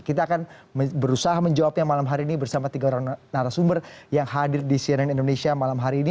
kita akan berusaha menjawabnya malam hari ini bersama tiga orang narasumber yang hadir di cnn indonesia malam hari ini